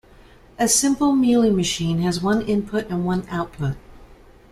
A simple Mealy machine has one input and one output.